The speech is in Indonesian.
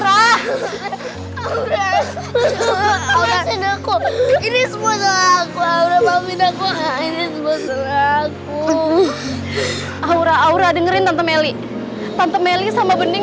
aura aura ini semua salah aku aura aura dengerin tante meli tante meli sama bening